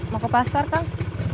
mau ke pasar kang